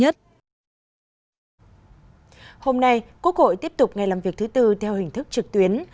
hôm nay quốc hội tiếp tục ngày làm việc thứ tư theo hình thức trực tuyến